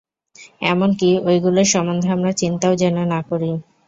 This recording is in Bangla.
এমন কি, ঐগুলির সম্বন্ধে আমরা চিন্তাও যেন না করি।